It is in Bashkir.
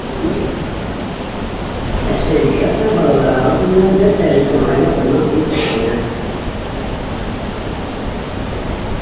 Әсмәбикә апай балалары алдына бер тәрилкә майлы ҡоймаҡ килтереп ҡуйҙы.